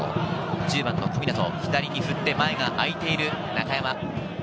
１０番・小湊、左に振って前が空いている中山。